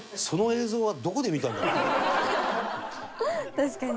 確かに。